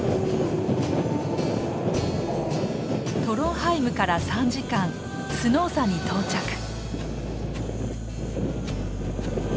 トロンハイムから３時間スノーサに到着。